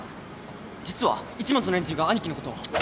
実は市松の連中がアニキのことを。